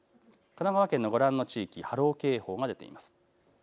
神奈川県のご覧の地域に波浪警報が出ています。